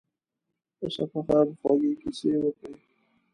د سفر خوږې کیسې یې وکړې.